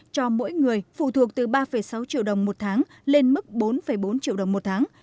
cho mỗi người phụ thuộc từ ba sáu triệu đồng một tháng lên mức bốn bốn triệu đồng một tháng